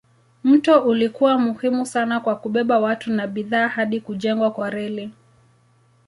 Mto ulikuwa muhimu sana kwa kubeba watu na bidhaa hadi kujengwa kwa reli.